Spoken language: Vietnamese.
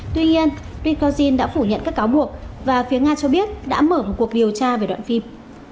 tuy nhiên picozin đã phủ nhận các cáo buộc và phía nga cho biết đã mở một cuộc điều tra về đoạn phim